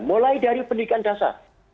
mulai dari pendidikan dasar